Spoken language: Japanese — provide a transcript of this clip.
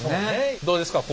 どうですか？